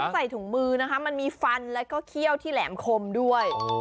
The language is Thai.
ต้องใส่ถุงมือมันมีฟันและเขี้ยวที่แหลมคมด้วย